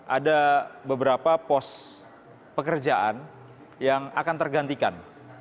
ada beberapa pos pekerjaan yang akan tergantikan